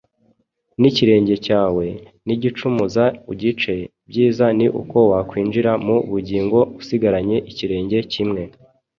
n’ikirenge cyawe, nikigucumuza, ugice: ibyiza ni uko wakwinjira mu bugingo usigaranye ikirenge kimwe